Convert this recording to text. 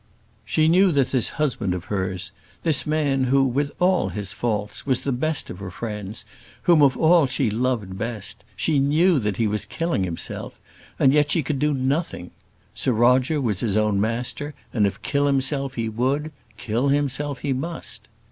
She knew that this husband of hers, this man who, with all his faults, was the best of her friends, whom of all she loved best she knew that he was killing himself, and yet she could do nothing. Sir Roger was his own master, and if kill himself he would, kill himself he must.